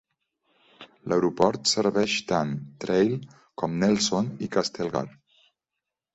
L'aeroport serveix tant Trail com Nelson i Castlegar.